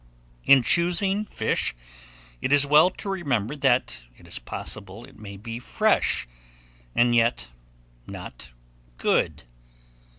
IN CHOOSING FISH, it is well to remember that it is possible it may be fresh, and yet not good.